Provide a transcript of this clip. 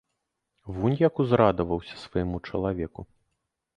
Вунь як узрадаваўся свайму чалавеку!